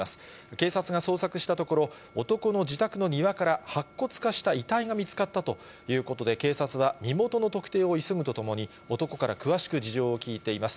警察が捜索したところ、男の自宅の庭から白骨化した遺体が見つかったということで、警察は身元の特定を急ぐとともに、男から詳しく事情を聴いています。